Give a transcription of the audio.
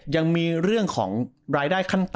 ยังมีเรื่องของรายได้ขั้นต่ำ